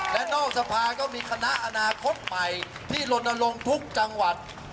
และนอกสภาก็มีคณะอนาคตใหม่ที่ลนลงทุกจังหวัด